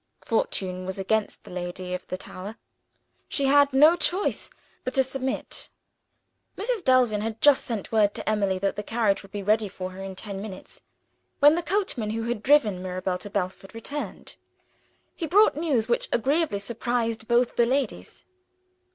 Fortune was against the lady of the tower; she had no choice but to submit. Mrs. Delvin had just sent word to Emily that the carriage would be ready for her in ten minutes, when the coachman who had driven Mirabel to Belford returned. He brought news which agreeably surprised both the ladies.